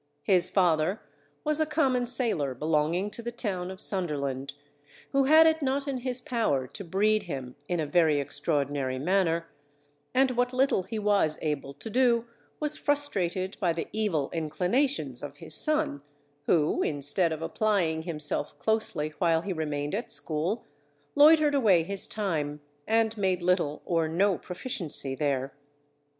His father was a common sailor belonging to the town of Sunderland, who had it not in his power to breed him in a very extraordinary manner; and what little he was able to do was frustrated by the evil inclinations of his son, who instead of applying himself closely while he remained at school, loitered away his time, and made little or no proficiency there.